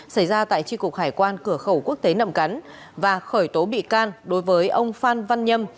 xảy ra tại tri cục hải quan cửa khẩu quốc tế nậm cắn và khởi tố bị can đối với ông phan văn nhâm